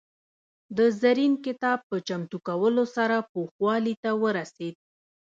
د زرین کتاب په چمتو کولو سره پوخوالي ته ورسېد.